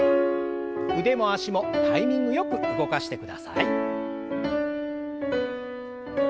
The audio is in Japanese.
腕も脚もタイミングよく動かしてください。